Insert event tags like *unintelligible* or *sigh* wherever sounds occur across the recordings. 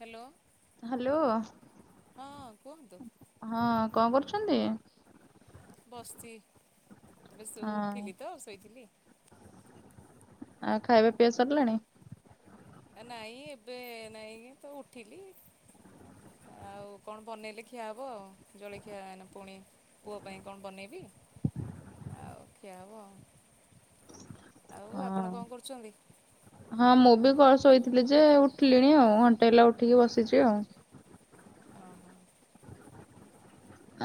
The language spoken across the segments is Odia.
ହ୍ୟାଲୋ। ହ୍ୟାଲୋ ହଁ କୁହନ୍ତୁ ହଁ କଣ କରୁଛନ୍ତି? ବସିଛି, ଏବେ ଶୋ ହଁ ଉଠିଲି ତ ଶୋଇଥିଲି। ଆଉ ଖାଇବା ପିଇବା ସରିଲାଣି? ନାଇଁ ଏବେ ନାଇଁ ତ ଉଠିଲି। ଆଉ କଣ ବନେଇଲେ ଖିଆ ହବ ଆଉ, ଜଳଖିଆ ହେଇନା ପୁଣି। ପୁଅ ପାଇଁ କଣ ବନେଇବି ଆଉ ଖିଆ ହେବ ଆଉ। ଆଉ ହଁ ଆପଣ କଣ କରୁଛନ୍ତି? ହଁ ମୁଁ ବି ଘରେ ଶୋଇଥିଲି ଯେ ଉଠିଲିଣି ଆଉ ଘଣ୍ଟେ ହେଲା ଉଠିକି ବସିଛି ଆଉ। ଓହୋ।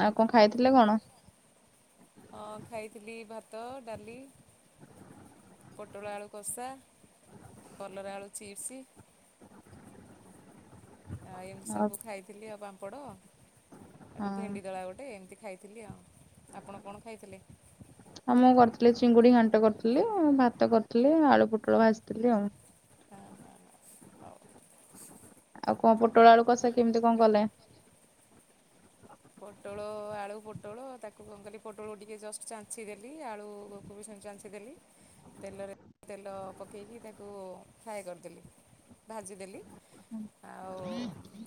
ଆଉ କଣ ଖାଇଥିଲେ କଣ? ହଁ ଖାଇଥିଲି ଭାତ, ଡାଲି ପୋଟଳ ଆଳୁ କସା କଲରା ଆଳୁ ଚିପ୍ସ୍ ଆଉ ଏମିତି ସବୁ ଖାଇଥିଲି ଆଉ ପାମ୍ପଡ଼ ସେଠୁ ହଁ ଭେଣ୍ଡି ଦଳା ଗୋଟେ ଏମିତି ଖାଇ ଥିଲି ଆଉ ଆପଣ କଣ ଖାଇଥିଲେ? ଆ ମୁଁ କରିଥିଲି ଚିଙ୍ଗୁଡି ଘାଣ୍ଟ କରିଥିଲି ଭାତ କରିଥିଲି ଆଳୁ ପୋଟଳ ଭାଜିଥିଲି ଆଉ। ହଁ ହଁ ହଁ ହଉ। ଆଉ କଁ ପୋଟଳ ଆଳୁ କଷା କେମିତି କଁ କଲ? ପୋଟଳ ଆଳୁ ପୋଟଳ ତାକୁ କଣ କଲି ପୋଟଳକୁ ଟିକେ ଜଷ୍ଟ ଚାଞ୍ଚି ଦେଲି ଆଳୁକୁ ବି ସେମିତି ଚାଞ୍ଚ୍ ଦେଲି। ତେଲରେ ତେଲ ପକେଇକି ତାକୁ ଫ୍ରାଏ କରିଦେଲି ଭାଜିଦେଲି। ଆଉ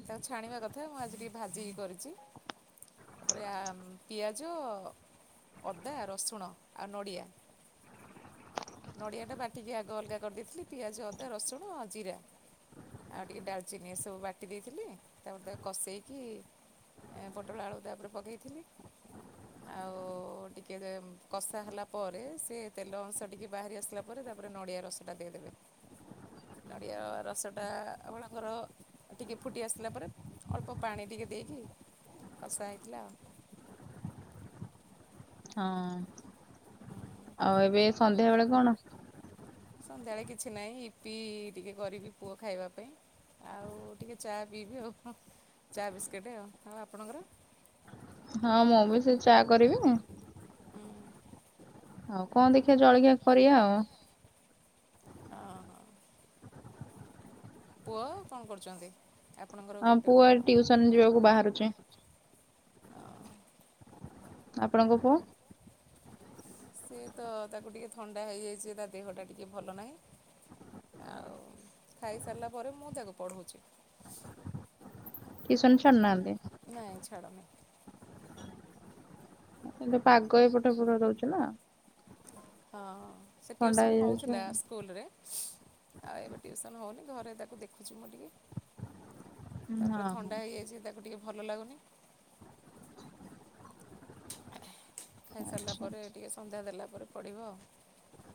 ତାକୁ ଛାଣିବା କଥା ଆଜି ଟିକେ ଭାଜିକି କରିଚି। ତାପରେ ଆ ପିଆଜ ଅଦା ରସୁଣ ଆଉ ନଡ଼ିଆ। ନଡ଼ିଆଟା ବାଟିକି ଆଗ ଅଲଗା କରିଦେଇଥିଲି ପିଆଜ, ଅଦା, ରସୁଣ ଆଉ ଜିରା ଆଉ ଟିକେ ଡାଲଚିନି ଏସବୁ ବାଟି ଦେଇଥିଲି ତାପରେ ତାକୁ କଷେଇକି ଏ ବ ପୋଟଳ ଆଳୁ ତା ଉପରେ ପକେଇଥିଲି। ଆଉ ଟିକେ ଦେ କଷା ହେଲା ପରେ ସେ ତେଲ ଅଂଶ ଟିକେ ବାହାରି ଆସିଲା ପରେ ତାପରେ ନଡ଼ିଆ ରସଟା ଦେଇଦେବେ। ନଡ଼ିଆ ରସଟା ଆପଣଙ୍କର ଟିକେ ଫୁଟି ଆସିଲା ପରେ ଅଳ୍ପ ପାଣି ଟିକେ ଦେଇକି କସା ହେଇଥିଲା ଆଉ। ହଁ ଆଉ ଏବେ ସନ୍ଧ୍ୟା ବେଳେ କଣ? ସନ୍ଧ୍ୟାବେଳେ କିଛି ନାଇଁ ଇପି ଟିକେ କରିବି ପୁଅ ଖାଇବା ପାଇଁ। ଆଉ ଟିକେ ଚା ପିଇବି ଆଉ। ଚା ବିସ୍କେଟ୍ ଆଉ ଆଉ ଆପଣଙ୍କର? ହଁ ମୁଁ ବି ସେଇ ଚା କରିବି। ହୁଁ। ଆଉ କଁ ଦେଖିଆ ଜଳଖିଆ କରିଆ ଆଉ। ଅ ହ ପୁଅ କଣ କରୁଚନ୍ତି ଆପଣଙ୍କର ହଁ ଗୋଟେ ପୁଅ ଟିଉସନ ବା? ଯିବାକୁ ବାହାରୁଛି ଆପଣଙ୍କ ପୁଅ? ସିଏ ତ ତାକୁ ଟିକେ ଥଣ୍ଡା ହେଇଯାଇଚି ତା ଦେହଟା ଟିକିଏ ଭଲ ନାହିଁ। ଆଉ ଖାଇସାରିଲା ପରେ ମୁଁ ତାକୁ ପଢ଼ଉଚି। ଟିଉସନ୍ ଛାଡୁନାହାନ୍ତି? ନାଇଁ ଛାଡୁନି। କିନ୍ତୁ ପାଗ ଏପଟେ ପୁରା ଦଉଚିନା ହଁ ସେ ଥଣ୍ଡା ଟିଉସନ୍ ହେଇଯାଉଛି ଆଉ। ହଉଥିଲା ସ୍କୁଲରେ। ଆଉ ଏବେ ଟିଉସନ୍ ହଉନି ଘରେ ତାକୁ ଦେଖୁଚି ମୁଁ ଟିକେ। ହଁ ତାପରେ ହଁ। ଥଣ୍ଡା ହେଇଯାଇଚି ତାକୁ ଟିକେ ଭଲ ଲାଗୁନି। ଖାଇସାରିଲା ଆଚ୍ଛା ପରେ ଟିକେ ସନ୍ଧ୍ୟା ଦେଲା ପରେ ପଡ଼ିବ ଆଉ।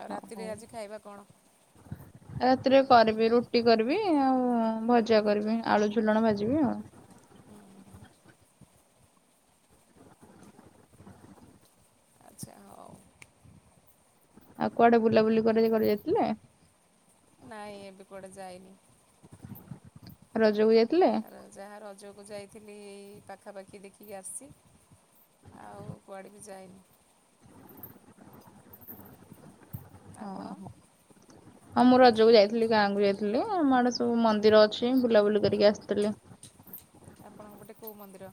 ଆଉ ହଉ ରାତିରେ ହଉ। ଆଜି ଖାଇବା କଣ? ରାତିରେ କରିବି ରୁଟି କରିବି ଆଉ ଭଜା କରିବି ଆଳୁ ଝୁଲଣ ଭାଜିବି ଆଉ। ହୁଁ ହୁଁ। ଆଚ୍ଛା ହଉ ଆଉ କୁଆଡେ ବୁଲାବୁଲି କରି କରି ଯାଇଥିଲେ? ନାଇଁ ଏବେ କୁଆଡେ ଯାଇନି। ରଜକୁ ଯାଏ ଆ ଯାହା ରଜକୁ ଯାଇଥିଲି ପାଖାପାଖି ଦେଖିକି ଆସିଚି ଆଉ କୁଆଡେ ବି ଯାଇନି *unintelligible* ହଁ ଆପଣ। ହଁ। ହଁ ମୁଁ ରଜକୁ ଯାଇଥିଲି ଗାଁ କୁ ଯାଇଥିଲି ଆମ ଆଡେ ସବୁ ମନ୍ଦିର ଅଛି ବୁଲାବୁଲି କରିକି ଆସିଥିଲି। ଆପଣଙ୍କ ପଟେ କୋଉ ମନ୍ଦିର?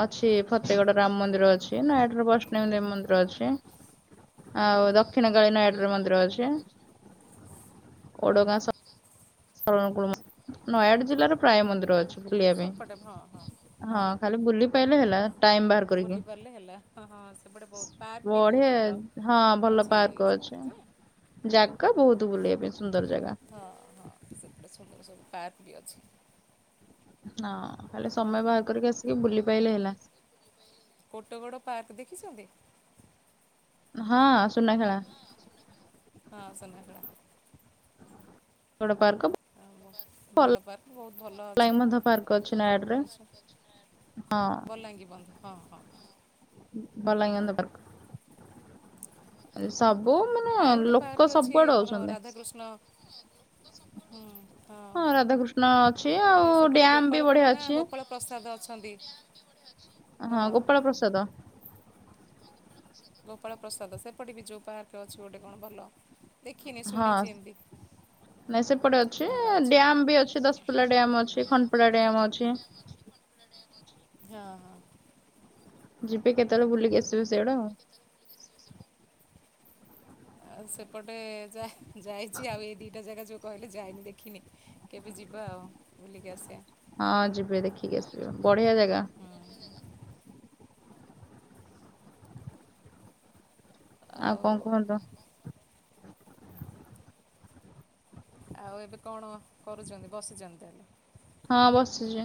ଅଛି ଫତେଗଡ ରାମ ମନ୍ଦିର ଅଛି ନାୟାଗଡ ବୈଷ୍ଣବୀ ଦେବୀ ମନ୍ଦିର ଅଛି। ଆଉ ଦକ୍ଷିଣକାଳି ନତାଗଡ଼ାର ମନ୍ଦିର ଅଛି। ହଁ ହଁ। କୁଳ ନୟାଗଡ଼ ଜିଲ୍ଲାର ପ୍ରାୟ ମନ୍ଦିର ଅଛି। ବୁଲିବା ସେପଟେ ହଁ ହଁ ପାଇଁ ହଁ ଖାଲି ବୁଲି ପାଇଲେ ହେଲା ଟାଇମ୍ ବାହାର କରିକି ବୁଲିପାରିଲେ ହେଲା ହଁ ହଁ ସେପଟେ ବହୁତ ପାର୍କ ବି ବହୁତ ବଢିଆ ଭଲ ହଁ ଭଲ ଅଛି ପାର୍କ ସେପଟେ ଅଛି। ଯେ ଜାଗା ବହୁତ ବୁଲିବା ପାଇଁ ସୁନ୍ଦର ଜାଗା। ସେପଟା ସୁନ୍ଦର ସବୁ ପାର୍କ ବି ଅଛି। ହଁ ଖାଲି ସମୟ ବାହାର କରିକି ଆସିକି ବୁଲି ପାଇଲେ ହେଲା। କୋଟଗଡ ପାର୍କ ଦେଖିଛନ୍ତି? ହଁ ସୁନାଖେଳା। ହଁ ସୁନାଖଳା। ବଡ଼ ପାର୍କ ଆଉ ବଡ଼ ପାର୍କ ବହୁତ ଭଲ ବଲାଙ୍ଗୀ ଅଛି ମଧ୍ୟ ଅଛି ନାୟାଗଡ ରେ ଆଛି ହଁ ବଲାଙ୍ଗୀ ବନ୍ଧ ହଁ ହଁ। ହଁ। ବଳଙ୍ଗିବନ୍ଧ ପାର୍କ। ସବୁ ମାନେ। ଆଉ ଗୋଟେ ଲୋକ ପାର୍କ ଅଛି ସବୁଆଡୁ ଆମର ଆଉଛନ୍ତି ରାଧାକୃଷ୍ଣ ହୁଁ ହଁ ରାଧାକୃଷ୍ଣ ଅଛି ଆଉ ଗୋଟେ ସେପଟେ ଡ୍ୟାମ ବି ବଢିଆ ଗୋପାଳପୁର ନା ଅଛି ଗୋପାଳପ ପ୍ରସାଦ ଅଛନ୍ତି। ହଁ ଗୋପାଳ ପ୍ରସାଦ। ଗୋପାଳ ପ୍ରସାଦ ସେପଟେ ବି ଯୋଉ ପାର୍କଟେ ଅଛି ଗୋଟେ କଣ ଭଲ? ଦେଖିନି ହଁ ଶୁଣିଛି ଏମିତି ନାଇଁ ସେପଟେ ଅଛି ଭଲ ବୋଲି ଡ୍ୟାମ ବି ଅଛି ଦଶ ଖୁଲା ଡ୍ୟାମ ଅଛି ଖଣ୍ଡପଡା ଡ୍ୟାମ ଅଛି। ହଁ ହଁ। ଯିବେ କେତେବେଳେ ବୁଲିକି ଆସିବେ ସିଆଡେ ଆଉ *unintelligible* ଆଉ ସେପଟେ ଯାହା ଯାଇଛି ଆଉ ଏଇ ଦିଟା ଜାଗା ଯୋଉ କହିଲେ ଯାଇନି ଦେଖିନି କେବେ ଯିବା ଆଉ ବୁଲିକି ଆସିବା ହଁ ଯିବେ ଦେଖିକି ଆସିବେ ବଢିଆ ଜାଗା ହଁ ଆଉ କଣ କୁହନ୍ତୁ? ଆଉ ଏବେ କଣ କରୁଛନ୍ତି ବସିଛନ୍ତି ହେଲେ ହଁ ବସିଛି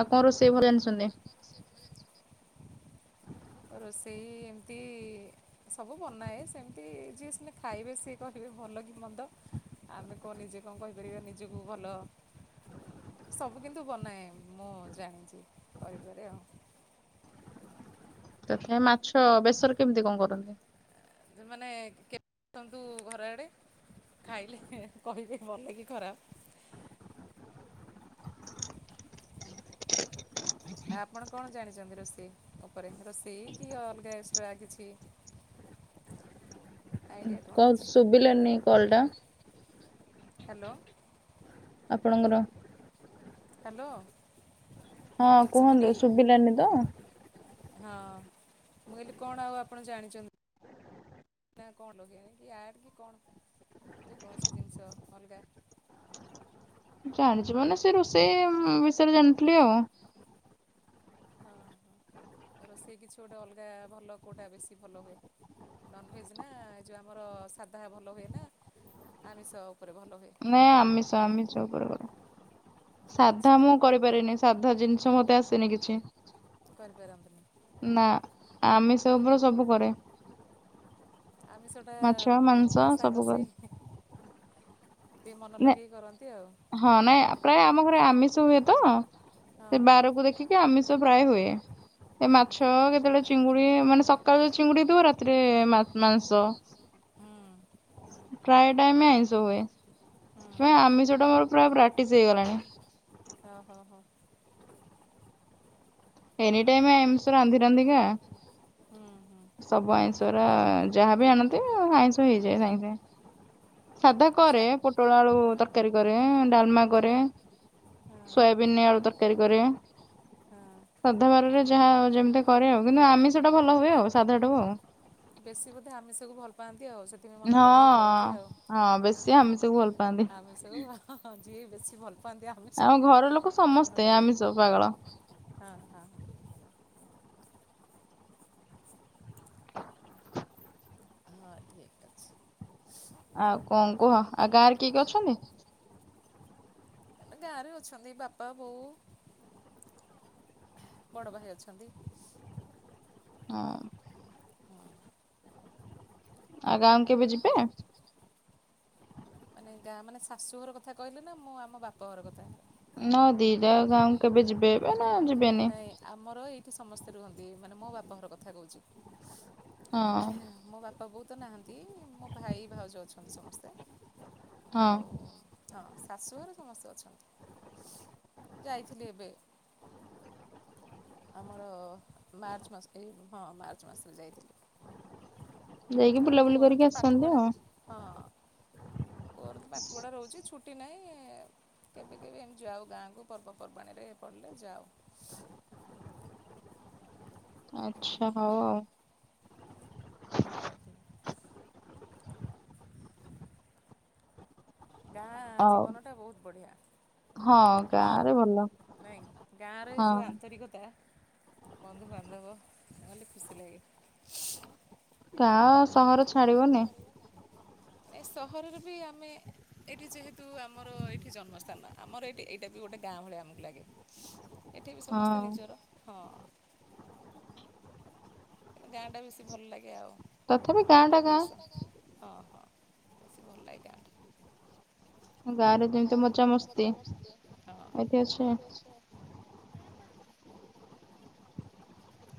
ଆଉ କଣ ରୋଷେଇ ଭଲ ଆଛନ୍ତି ରୋଷେଇ ଏମିତି ସବୁ ବନାଏ ସେମିତି ଯିଏ ସିନା ଖାଇବେ ସିଏ କହିବେ ଭଲ କି ମନ୍ଦ। ଆମେ କଣ ନିଜେ କଣ କହିପାରିବା ନିଜକୁ ଭଲ। ସବୁ କିନ୍ତୁ ବନାଏ ମୁଁ ଜାଣିଚି କରିପାରେ ଆଉ। ତଥାପି ମାଛ ବେସରେ କେମିତି କଣ କରନ୍ତି? *unintelligible* ମାନେ କେବେ ଆସନ୍ତୁ ଘର ଆଡେ। ଖାଇଲେ କହିବି ଭଲ କି ଖରାପ। ଆପଣ କଣ ଜାଣିଚନ୍ତି ରୋଷେଇ ଉପରେ ରୋଷେଇ କି ଅଲଗା ଏକ୍ସଟ୍ରା କିଛି ଆଇଡ଼ିଆ ଅଛି କଣ ଶୁଭିଲାନି କଲଟା। ହାଲୋ। ଆପଣଙ୍କର ହାଲୋ। ହଁ କୁହନ୍ତୁ ଶୁବିଲାନି ତ। ହଁ ମୁଁ କଇଲି କଣ ଆଉ ଆପଣ ଜାଣିଚନ୍ତି? ନା କଣ ଲଗେଇନି କି ଆଟ୍ କି କଣ ଯେକୌଣସି ଜିନିଷ ଅଲଗା। ଜାଣିଚି ମାନେ ସେ ରୋଷେଇ ବିଷୟରେ ଜାଣିଥିଲି ଆଉ। ହଁ ରୋଷେଇ କିଛି ଗୋଟେ ଅଲଗା ଭଲ କୋଉଟା ବେଶୀ ଭଲ ହୁଏ? ନନଭେଜ ନା ଏ ଯୋଉ ଆମର ସାଧା ଭଲ ହୁଏ ନା ଆମିଷ ଉପରେ ଭଲ ହୁଏ? ନାଇଁ ଆମିଷ ଆମିଷ ଉପରେ କରିବି ଆଚ୍ଛା ସାଧା ମୁଁ କରିବ କରି ପାରିବିନି ସାଧା ଜିନିଷ ମତେ ଆସିନି କିଛି। କରିପାରନ୍ତିନି? ନାଁ ଆମିଶ ଉପରେ ସବୁ କରେ। ଆମିଶ ଟା ମାଛ ମାଂସ କଷା ସବୁ କଷି କରେ। ଟିକେ ମନ ନା ଲଗେଇକି କରନ୍ତି ଆଉ। ହଁ ନାଇଁ ପ୍ରାୟ ଆମ ଘରେ ଆମିଷ ହୁଏ ତ। ହଁ ସେ ବାରକୁ ଦେଖିକି ଆମିଷ ପ୍ରାୟ ହୁଏ ସେ ହଁ ମାଛ କେତେବେଳେ ଚିଙ୍ଗୁଡି ମାନେ ସକାଳୁ ଚିଙ୍ଗୁଡି ଦିବ ରାତିରେ ମାଂସ। ହଁ। ପ୍ରାୟେ ଟାଇମ ଆଇଁଷ ହୁଏ ହୁଁ ସେଥିପାଇଁ ଆମିଷ ଟା ମୋର ପ୍ର ପ୍ରାଟିସ ହେଇଗଲାଣି। ଅଃ ହ ହ ହ। ଏନି ଟାଇମ୍ *unintelligible* ରାନ୍ଧି ରାନ୍ଧିକା ହୁଁ ହୁଁ ସବୁ ଆଇଁସ୍ *unintelligible* ଯାହା ବିି ଆଣନ୍ତି ଆଇଁଷ ହେଇଯାଏ ସାଙ୍ଗେସାଙ୍ଗେ। ସାଧା ଛା କରେ ପୋଟଳ ଆଳୁ ହଁ ତରକାରୀ କରେ ଡାଲମା କରେ। ହଁ ସୋୟାବିନ୍ ଆଳୁ ତରକାରୀ କରେ। ହଁ। ଶାଧା ବାରିରେ ଯାହା ଯେମିତି କରେ ଆଉ କିନ୍ତୁ ଆମିଷଟା ଭଲ ହୁଏ ଆଉ ସାଧାଠୁ ଆଉ। ବେଶୀ ବୋଧେ ଆମିଷକୁ ଭଲ ପାଆନ୍ତି ଆଉ ସେ *unintelligible* ମନ ଲଗେଇ କରନ୍ତି ହଁ ଆଉ ହଁ ବେଶୀ ଆମିଷକୁ ହଁ ଭଲ ପାଆନ୍ତି। ଆମିଷ କୁ ଆଉ। ହଁ ଯିଏ ବେଶୀ ଭଲ ପାଆନ୍ତି ଆମି ଆମ ଘର ଲୋକ ସମସ୍ତେ ଆମିଷ ପାଗଳ। ଅଃ। ହଁ ଠିକ୍ ଅଛି। ଆଉ କଣ କୁହ ଆଉ ଗାଁ ରେ କିଏ କିଏ ଅଛନ୍ତି? ଗାଁରେ ଅଛନ୍ତି ବାପା ବୋଉ। ବଡ଼ ଭାଇ ଅଛନ୍ତି। ହଁ। ହଁ। ଆଉ ଗାଁକୁ କେବେ ଯିବେ? ମାନେ ଗାଁ ମାନେ ଶାଶୁଘର କଥା କହିଲେ ନା ମୁଁ ଆମ ବାପା ଘର କଥା? ନା ଦିଟା ଆଙ୍କ ଗାଁକୁ କେବେ ଯିବେ ଏବେ ନା ଯି ନାଇଁ ଆମର ଏଇଠି ସମସ୍ତେ ରୁହନ୍ତି ମାନେ ମୋ ବାପାଙ୍କର କଥା କହୁଚି। ହଁ ମୋ ବାପା ବୋଉ ତ ନାହାଁନ୍ତି ମୋ ଭାଇ ଭାଉଜ ଅଛନ୍ତି ସମସ୍ତେ। ହଁ। ଆଉ ହଁ ଶାଶୁଘର ସମସ୍ତେ ଅଛନ୍ତି ଯାଇଥିଲି ଏବେ। ଆମର ମାର୍ଚ୍ଚ ମାସ ଏଇ ହଁ ମାର୍ଚ୍ଚ ମାସରେ ଯାଇଥିଲି। ଯାଇକି ଆଉ ବୁଲାବୁଲି ପୁଅର କରିକି ତ ପାଠ ଆସନ୍ତି ପଢ଼ା ଆଉ। ହଁ। ପୁଅର ତ ପାଠପଢ଼ା ରହୁଚି ଛୁଟି ନାହିଁ। କେବେ କେବେ ଏମିତି ଯାଉ ଗାଁକୁ ପର୍ବପର୍ବାଣୀ ରେ ପଡ଼ିଲେ ଯାଉ। ଆଚ୍ଛା ହୋଉ ଆଉ। ହଉ ଠିକ୍ ଅଛି। ଗାଁ ହଉ ଜୀବନଟା ବହୁତୁ ବଢ଼ିଆ। ହଁ ଗାଁରେ ଭଲ। ନାଇ ଗାଁରେ ଯୋଉ ହଁ ଆନ୍ତରିକତା। ବନ୍ଧୁବାନ୍ଧବ ଗଲେ ଖୁସି ଲାଗେ। ଗାଁ ସହର ଛାଡିବନି। ଏ ସହରରେ ବି ଆମେ ଏଇଠି ଯେହେତୁ ଆମର ଏଇଠି ଜନ୍ମସ୍ଥାନ ଆମର ଏଠି ଏଇଟା ବି ଗୋଟେ ଗାଁ ଭଳି ଆମକୁ ଲାଗେ। *inaudible* ଏଠି ବି ସମସ୍ତେ ହଁ ନିଜର ହଁ। ଗାଁ ଟା ବେଶୀ ଭଲ ଲାଗେ ଆଉ ତଥାପି ଗାଁ ଟା ଗାଁ। ପୂର୍ବପୁରୁଷ ହଁ ହଁ ବେଶୀ ଭଲ ଲାଗେ ଗାଁଟା। ଗାଁରେ ଯେମିତି ମଜାମସ୍ତି ହଁ ଏଠି ଅଛି ନା?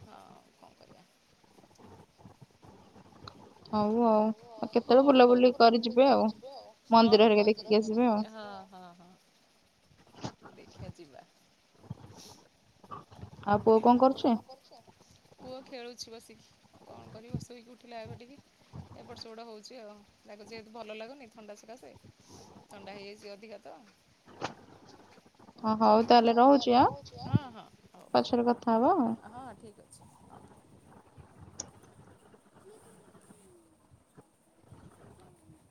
ହଁ କଣ କରିବା। ହଉ ଆଉ ଆଉ ହଉ କେତେବେଳେ ବୁଲାବୁଲି କରି ବୁଲବୁଲି ଆଉ। କରିି ଯିବେ ଆଉ ହଁ ହେରିକା ମନ୍ଦିର ଦେଖିକି ଆସିବେ ଆଉ। ଦେଖିକି। ହଁ ହଁ ଦେଖିବା ଯିବା। ଆଉ ପୁଅ କଣ କରୁଛି? ପୁଅ ଖେଳୁଛି ବସିକି କଣ କରିବ ସେଇକି ଉଠିଲା ଏବେ ଟିକେ। ଏପଟ ସେପଟ ହୋଉଚି ଆଉ ତାକୁ ଯେହେତୁ ଭଲ ଲାଗୁନେହିଁ ଥଣ୍ଡା ସକାସେ। ଥଣ୍ଡା ହେଇଯାଇଚି ଅଧିକା ତ। ହଉ ତାହେଲେ ରହୁଛି ହଁ ହଁ ପଛରେ କଥା ହବା ଆଉ। ହଉ ହଁ ଠିକ୍ ଅଛି। ହଉ। *unintelligible*